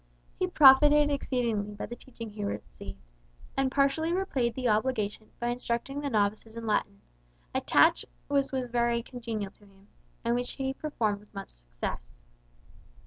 He profited exceedingly by the teaching he received, and partially repaid the obligation by instructing the novices in Latin, a task which was very congenial to him, and which he performed with much success.